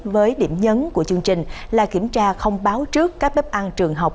với điểm nhấn của chương trình là kiểm tra không báo trước các bếp ăn trường học